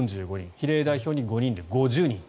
比例代表５人で５０人です。